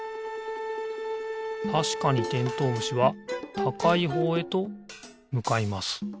たしかにてんとうむしはたかいほうへとむかいます。